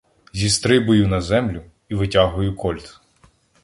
Зістрибую на землю і витягую "Кольт".